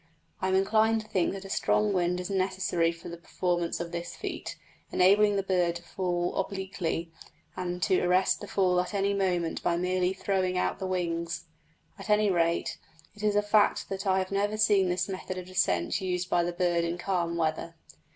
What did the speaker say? I am inclined to think that a strong wind is necessary for the performance of this feat, enabling the bird to fall obliquely, and to arrest the fall at any moment by merely throwing out the wings. At any rate, it is a fact that I have never seen this method of descent used by the bird in calm weather.